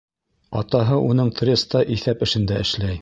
Атаһы уның треста иҫәп эшендә эшләй.